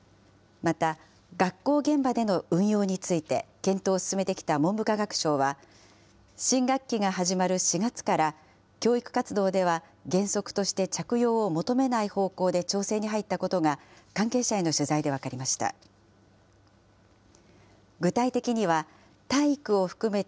また、学校現場での運用について検討を進めてきた文部科学省は、新学期が始まる４月から、教育活動では原則として着用を求めない方向で調整に入ったことが、関係者への取材で分かりました。